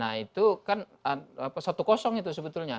nah itu kan satu kosong itu sebetulnya